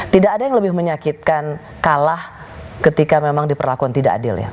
tidak ada yang lebih menyakitkan kalah ketika memang diperlakukan tidak adil ya